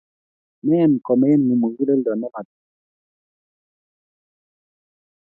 Mean komein muguleldo ne matiny